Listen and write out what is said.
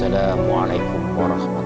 dunia yang paling baik